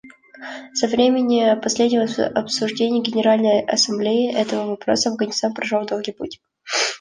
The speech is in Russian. Со времени последнего обсуждения Генеральной Ассамблеей этого вопроса Афганистан прошел долгий путь.